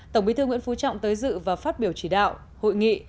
tổng bí thư nguyễn phú trọng tới dự và phát biểu chỉ đạo hội nghị